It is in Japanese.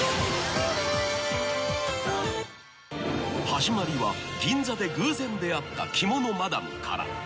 ［始まりは銀座で偶然出会った着物マダムから］